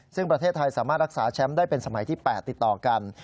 ซึ่งประเทศไทยสามารถรักษาแชมป์ได้เป็นสมัยที่๘ติดต่อกัน